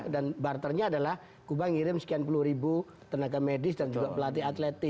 dan barternya adalah kubu mengirim sekian puluh ribu tenaga medis dan juga pelatih atletik